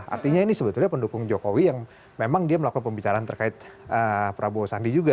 artinya ini sebetulnya pendukung jokowi yang memang dia melakukan pembicaraan terkait prabowo sandi juga